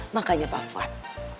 makanya pak fuad